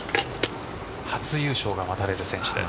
初優勝が待たれる選手です。